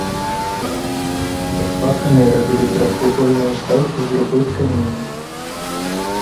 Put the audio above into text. Пад пахамі рабілі трохвугольныя ўстаўкі з другой тканіны.